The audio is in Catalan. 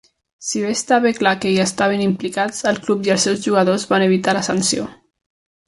Si bé estava clar que hi estaven implicats, el club i els seus jugadors van evitar la sanció.